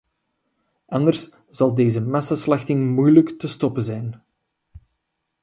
Anders zal deze massaslachting moeilijk te stoppen zijn.